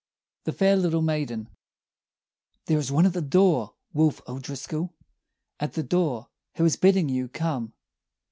THE FAIR LITTLE MAIDEN "There is one at the door, Wolfe O'Driscoll, At the door, who is bidding you come!"